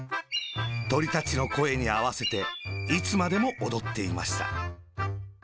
トリたちのこえにあわせて、いつまでもおどっていました。